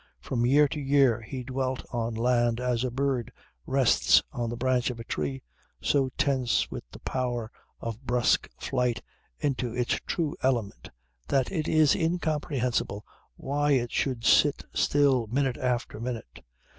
From year to year he dwelt on land as a bird rests on the branch of a tree, so tense with the power of brusque flight into its true element that it is incomprehensible why it should sit still minute after minute.